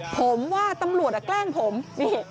ผมว่าตำรวจแกล้งผมนี่